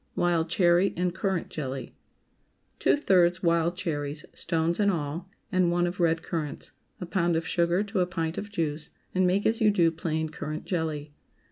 WILD CHERRY AND CURRANT JELLY. ✠ Two thirds wild cherries (stones and all) and one of red currants. A pound of sugar to a pint of juice, and make as you do plain currant jelly.